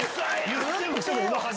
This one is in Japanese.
言ってよ！